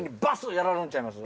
やられるんちゃいます？